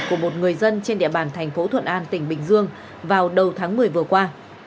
của một người dân trên địa bàn thành phố thuận an tỉnh bình dương vào đầu tháng một mươi vừa qua